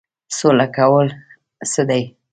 سوله کول څه دي؟